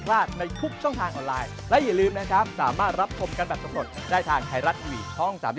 ลาไปก่อนแล้วสวัสดีครับ